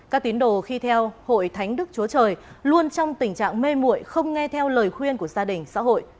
các tín đồ khi theo hội thánh đức chúa trời luôn trong tình trạng mê mụi không nghe theo lời khuyên của gia đình xã hội